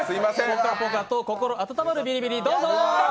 ぽかぽかと心温まるビリビリ、どうぞ。